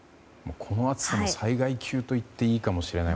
この暑さ、災害級と言っていいかもしれない。